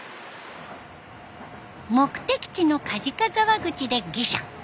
目的地の鰍沢口で下車。